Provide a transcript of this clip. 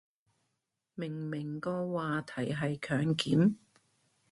明明個話題係強檢